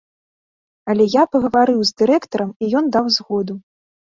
Але я пагаварыў з дырэктарам і ён даў згоду.